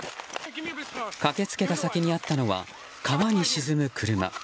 駆け付けた先にあったのは川に沈む車。